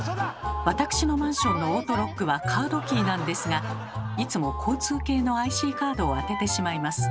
わたくしのマンションのオートロックはカードキーなんですがいつも交通系のＩＣカードを当ててしまいます。